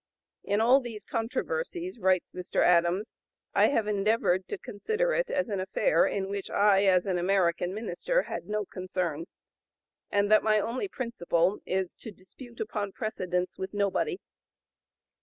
"In all these controversies," writes Mr. Adams, (p. 073) "I have endeavored to consider it as an affair in which I, as an American minister, had no concern; and that my only principle is to dispute upon precedence with nobody."